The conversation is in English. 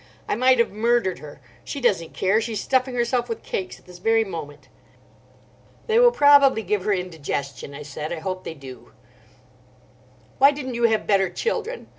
I might have murdered her. She doesn't care. She's stuffing herself with cakes at this very moment." "They will probably give her indigestion," I said. "I hope they do." "Why didn't you have better children?"